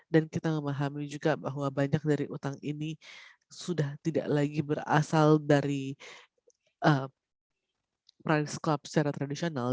dan kita memahami juga bahwa banyak dari utang ini sudah tidak lagi berasal dari prinsip secara tradisional